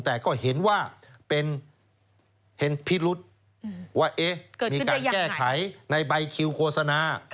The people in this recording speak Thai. แต่ก็เห็นว่าเป็นเห็นพิรุษว่ามีการแก้ไขในใบคิวโฆษณา